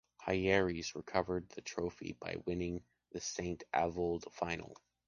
Hyeres recovers the trophy by wining the Saint-Avold final.